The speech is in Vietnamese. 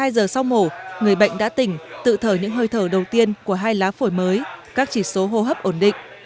một mươi giờ sau mổ người bệnh đã tỉnh tự thở những hơi thở đầu tiên của hai lá phổi mới các chỉ số hô hấp ổn định